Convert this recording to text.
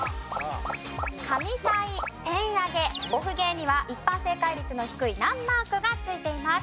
神サイテンアゲオフゲーには一般正解率の低い難マークが付いています。